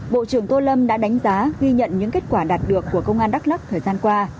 bộ trưởng tô lâm đã đánh giá ghi nhận những kết quả đạt được của công an đắk lắc thời gian qua